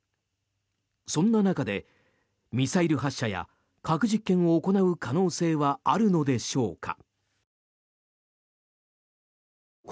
そんな中で、ミサイル発射や核実験を行う可能性はあるのでしょうか。